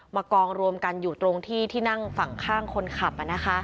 กองรวมกันอยู่ตรงที่ที่นั่งฝั่งข้างคนขับ